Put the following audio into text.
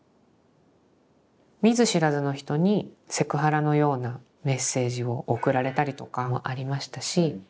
見ず知らずの人にセクハラのようなメッセージを送られたりとかもありましたし。